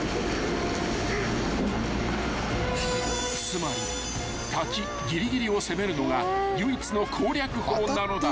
［つまり滝ぎりぎりを攻めるのが唯一の攻略法なのだ］